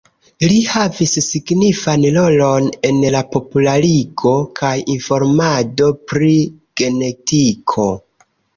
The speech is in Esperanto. Li havis signifan rolon en la popularigo kaj informado pri genetiko.